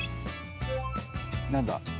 何だ？